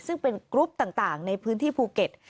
ซึ่งเป็นกรุ๊ปต่างในพื้นที่ภูเก็ต